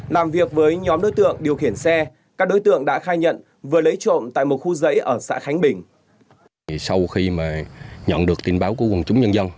làm việc với nhóm đối tượng điều khiển xe các đối tượng đã khai nhận